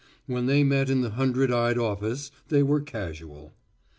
When they met in the hundred eyed office they were casual.